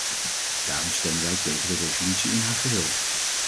Daarom stemmen wij tegen de resolutie in haar geheel.